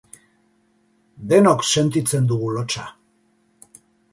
Denok sentitzen dugu lotsa.